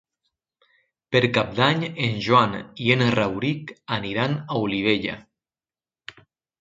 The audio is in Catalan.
Per Cap d'Any en Joan i en Rauric aniran a Olivella.